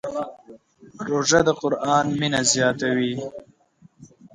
روژه د قرآن مینه زیاتوي.